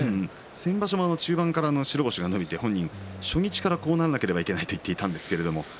先場所も中盤から白星が伸びて本人は初日からこうならないといけないと言っていたんですけど